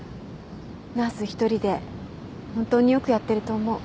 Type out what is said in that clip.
ナース１人で本当によくやってると思う。